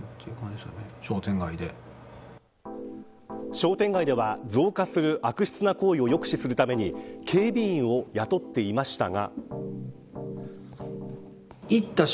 商店街では増加する悪質な行為を抑止するために警備員を雇っていましたが。